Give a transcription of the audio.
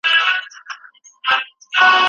د وېروس په وړاندې د خلکو بې احتیاطي د مرګ لامل کېږي.